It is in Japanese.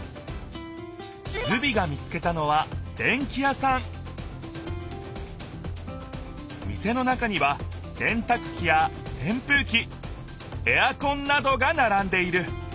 ズビが見つけたのは店の中にはせんたくきやせんぷうきエアコンなどがならんでいる。